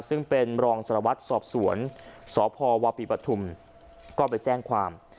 ซึ่งเป็นรองสารวัตรสอบสวนสพวปีปฐุมก็ไปแจ้งความ